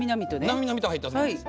なみなみと入ったつもりです。